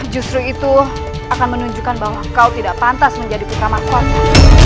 justru itu akan menunjukkan bahwa kau tidak pantas menjadi putra mahkota